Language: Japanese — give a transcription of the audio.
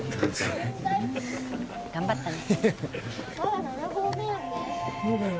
頑張ったね。